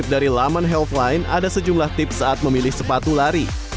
dari laman healthline ada sejumlah tips saat memilih sepatu lari